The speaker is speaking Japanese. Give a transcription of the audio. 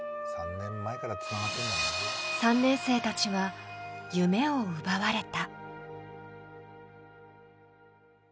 ３年生たちは夢を奪われた。